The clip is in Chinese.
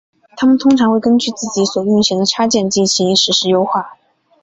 它们通常会根据自己所运行的插件进行实时优化。